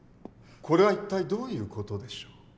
これは一体どういう事でしょう？